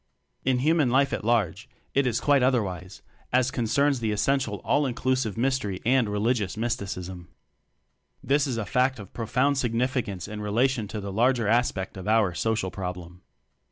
In human life at large, it is quite other wise as concerns the essential All inclusive Mystery and religious mys ticism. This is a fact of profound significance in relation to the larger aspect of our "Social Problem."